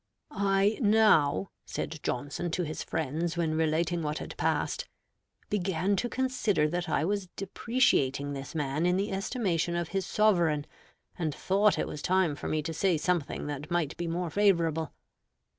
"I now" (said Johnson to his friends, when relating what had passed) "began to consider that I was depreciating this man in the estimation of his Sovereign, and thought it was time for me to say something that might be more favorable."